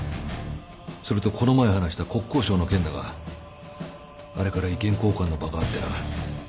それとこの前話した国交省の件だがあれから意見交換の場があってな。